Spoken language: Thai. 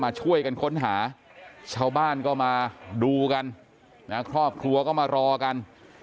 ช่วยกันค้นหาชาวบ้านก็มาดูกันนะครอบครัวก็มารอกัน